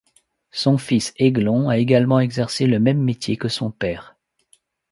Son fils Eglon a également exercé le même métier que son père.